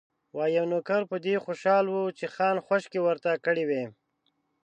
وايي، یو نوکر په دې خوشاله و چې خان خوشکې ورته کړې وې.